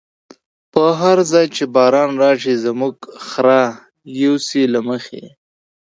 په هر ځای چی باران راشی، زمونږ خره یوسی له مخی